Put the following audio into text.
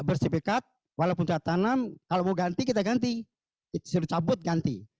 bersepekat walaupun kita tanam kalau mau ganti kita ganti disuruh cabut ganti